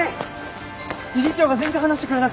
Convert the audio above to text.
理事長が全然離してくれなくて。